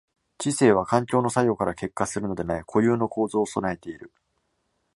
知性は環境の作用から結果するのでない固有の構造を具えている。